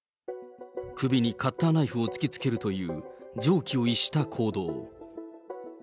首にカッターナイフを突きつけるという、常軌を逸した行動。